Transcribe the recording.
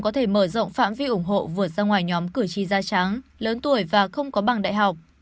có thể mở rộng phạm vi ủng hộ vượt ra ngoài nhóm cử tri da trắng lớn tuổi và không có bằng đại học